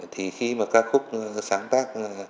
thì khi mà ca khúc sáng tác